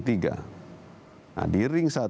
nah di ring satu